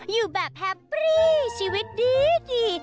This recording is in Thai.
อยู่แบบแฮปปี้ชีวิตดี